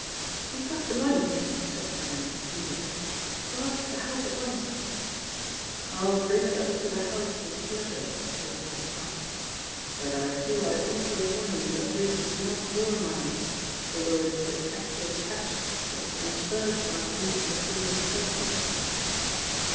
"You've got the money?" said Froyant eagerly. "Come up to the house at once." "I'll bring it up to the house with pleasure," replied Parr, "but I feel I ought to warn you that this is not your money, although it is the actual cash that was transferred by you to the Crimson Circle."